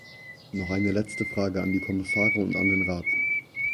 Noch eine letzte Frage an die Kommissare und an den Rat.